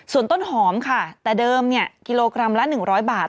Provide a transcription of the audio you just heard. ส่วนต้นหอมค่ะแต่เดิมเนี่ยกิโลกรัมละ๑๐๐บาท